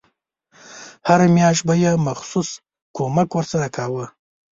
هره میاشت به یې مخصوص کمک ورسره کاوه.